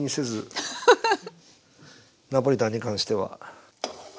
ナポリタンに関しては。